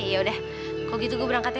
yaudah kalau gitu gue berangkat ya